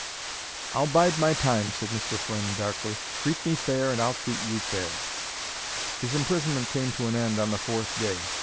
"I'll bide my time," said Mr. Flynn, darkly. "Treat me fair and I'll treat you fair." His imprisonment came to an end on the fourth day.